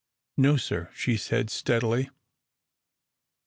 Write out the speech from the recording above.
"No, sir," she said, steadily.